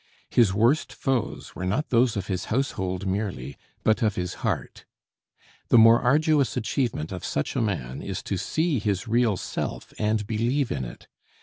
His worst foes were not those of his household merely, but of his heart. The more arduous achievement of such a man is to see his real self and believe in it.